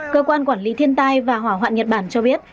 cơ quan quản lý thiên tai và hỏa hoạn nhật bản cho biết